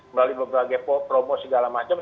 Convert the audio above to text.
melalui berbagai promo segala macam